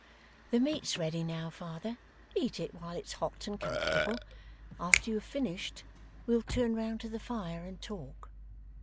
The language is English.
'The meat's ready now, father. Eat it while it's hot and comfortable. After you have finished, we'll turn round to the fire and talk.